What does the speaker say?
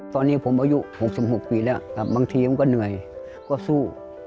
ตอนนี้ผมอายุ๖๖ปีแล้วครับบางทีผมก็เหนื่อยก็สู้